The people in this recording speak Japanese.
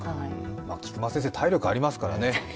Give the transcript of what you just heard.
菊間先生、体力ありますからね。